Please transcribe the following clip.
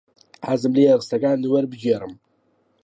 حەزم لێیە ڕستەکانت وەربگێڕم.